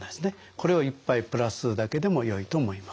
これを１杯プラスするだけでもよいと思います。